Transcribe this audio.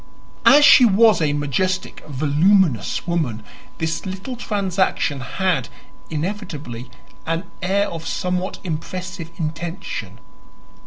As she was a majestic, voluminous woman, this little transaction had, inevitably, an air of somewhat impressive intention.